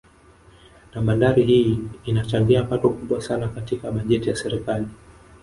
Na bandari hii inachangia pato kubwa sana katika bajeti ya serikali